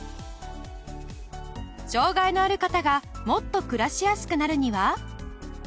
障害のある方がもっと暮らしやすくなるには？